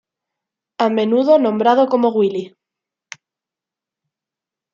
A menudo nombrado como "Willy".